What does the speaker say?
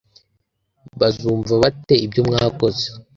bazumva bate ibyo mwakoze